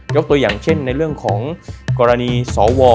ตัวอย่างเช่นในเรื่องของกรณีสว